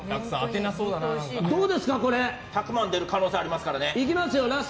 １００万が出る可能性ありますからね。